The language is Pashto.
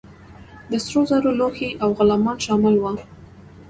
د سرو زرو لوښي او غلامان شامل وه.